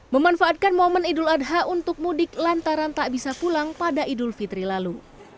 memanfaatkan momen idul adha untuk mudik lantaran tak bisa pulang pada idul fitri lalu